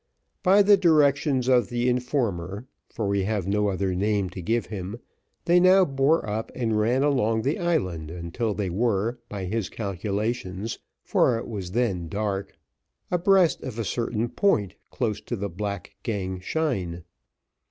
By the directions of the informer, for we have no other name to give him, they now bore up and ran along the island until they were, by his calculations, for it then was dark, abreast of a certain point close to the Black Gang Chyne.